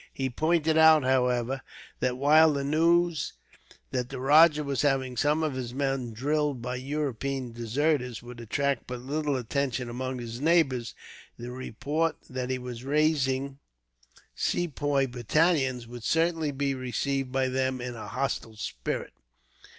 He pointed out, however, that while the news that the rajah was having some of his men drilled by European deserters would attract but little attention among his neighbours, the report that he was raising Sepoy battalions would certainly be received by them in a hostile spirit.